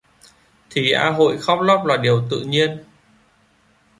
Thì a hội khóc lóc là điều tự nhiên